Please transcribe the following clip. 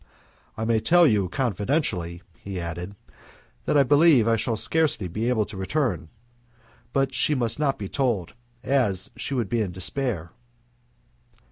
"I may tell you confidentially," he added, "that I believe I shall scarcely be able to return, but she must not be told, as she would be in despair."